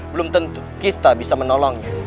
belum tentu kita bisa menolong